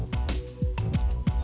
tapi robeamu satu nih